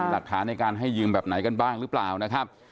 หลักฐานในการให้ยืมแบบไหนกันบ้างหรือเปล่านะครับ